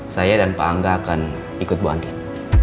saya dan pak angga akan ikut bangkit